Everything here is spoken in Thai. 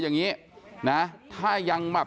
จะไม่เคลียร์กันได้ง่ายนะครับ